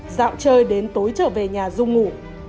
dạo chơi đến tối trở về nhà dung ngủ